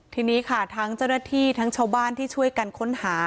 ทีนี้ค่ะทั้งเจ้าหน้าที่ทั้งชาวบ้านที่ช่วยกันค้นหา